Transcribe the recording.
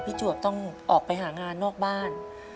จวบต้องออกไปหางานนอกบ้าน